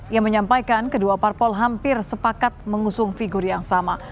ia menyampaikan kedua parpol hampir sepakat mengusung figur yang sama